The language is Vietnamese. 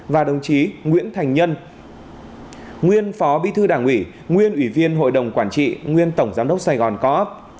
và đồng chí nguyễn thành nhân nguyên phó bí thư đảng ủy nguyên ủy viên hội đồng quản trị nguyên tổng giám đốc sài gòn co op